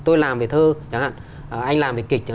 tôi làm về thơ anh làm về kịch